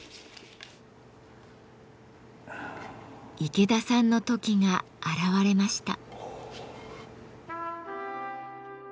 池田さんのトキが現れました。